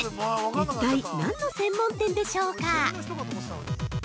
一体、何の専門店でしょうか？